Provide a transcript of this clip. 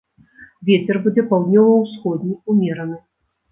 Вецер будзе паўднёва-ўсходні ўмераны.